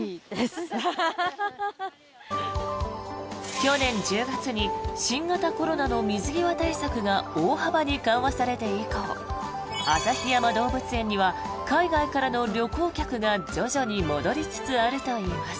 去年１０月に新型コロナの水際対策が大幅に緩和されて以降旭山動物園には海外からの旅行客が徐々に戻りつつあるといいます。